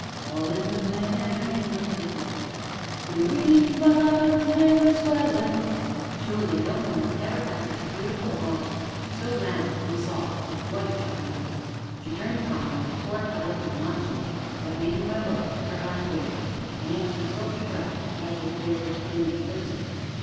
"'All in the merry month of May, When green buds they were swellin' '" "Surely no woman ever had such beautiful arms! so round and soft and white, Charmian." She turned upon me with a fork held up admonishingly, but, meeting my look, her eyes wavered, and up from throat to brow rushed a wave of burning crimson.